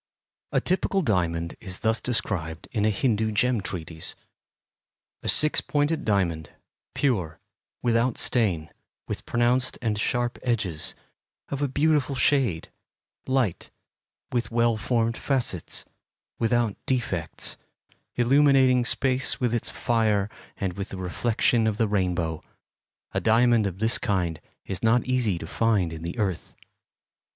A typical diamond is thus described in a Hindu gem treatise: A six pointed diamond, pure, without stain, with pronounced and sharp edges, of a beautiful shade, light, with well formed facets, without defects, illuminating space with its fire and with the reflection of the rainbow, a diamond of this kind is not easy to find in the earth.